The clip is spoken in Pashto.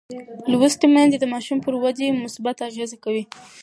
لوستې میندې د ماشوم پر ودې مثبت اغېز کوي.